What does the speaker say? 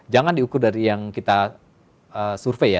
jangan diukur dari yang kita survei ya